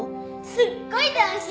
すっごい楽しい！